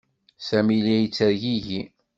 Sami la yettergigi.